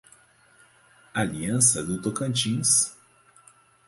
Aliança do Tocantins